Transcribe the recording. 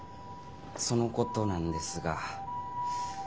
そのことなんですが。